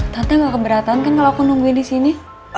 tante gak keberatan kan kalau aku nungguin disini